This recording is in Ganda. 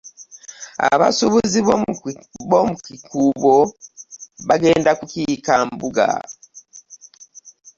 Abasuubuzi bw'omukikuubo bagenda kukiika mbuga.